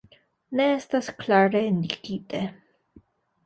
Ne estas klare indikite.